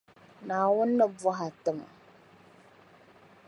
Naawuni ni bɔha tima.